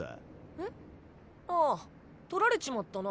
えっ？あっ盗られちまったな。